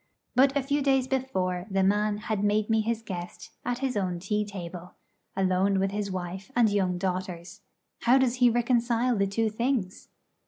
But a few days before the man had made me his guest at his own tea table, alone with his wife and young daughters. How does he reconcile the two things?